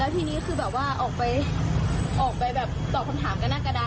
ทีนี้คือแบบว่าออกไปออกไปแบบตอบคำถามกับหน้ากระดาน